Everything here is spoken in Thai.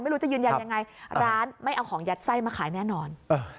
ไม่รู้จะยืนยันยังไงร้านไม่เอาของยัดไส้มาขายแน่นอน